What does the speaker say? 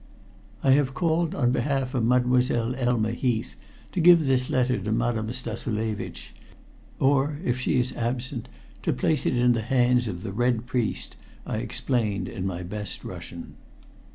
"I have called on behalf of Mademoiselle Elma Heath, to give this letter to Madame Stassulevitch, or if she is absent to place it in the hands of the Red Priest," I explained in my best Russian.